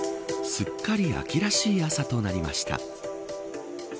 すっかり秋らしい朝となりました。